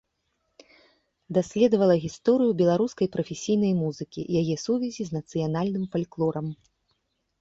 Даследавала гісторыю беларускай прафесійнай музыкі, яе сувязі з нацыянальным фальклорам.